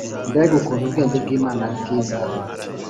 Mbega ukuntu ubwenge bw Imana ari rwiza